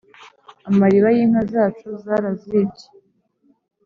amariba yinka zacu zarazibye